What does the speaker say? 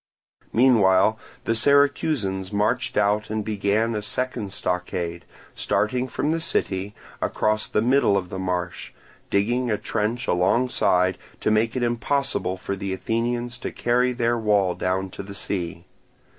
Meanwhile the Syracusans marched out and began a second stockade, starting from the city, across the middle of the marsh, digging a trench alongside to make it impossible for the Athenians to carry their wall down to the sea.